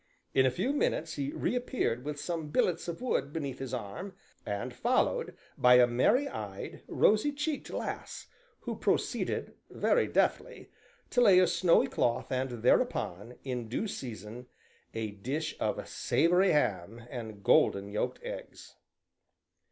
In a few minutes he reappeared with some billets of wood beneath his arm, and followed by a merry eyed, rosy cheeked lass, who proceeded, very deftly, to lay a snowy cloth and thereupon in due season, a dish of savory ham and golden yolked eggs.